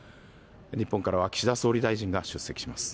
日本からは岸田総理大臣が出席します。